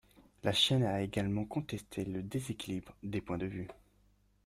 La chaîne a également contesté le déséquilibre des points de vue.